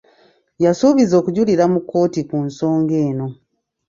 Yasuubiza okujulira mu kkooti ku nsonga eno.